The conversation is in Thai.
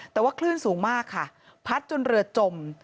แต่ว่าคลื่นสูงมากค่ะพัดจนเรือจม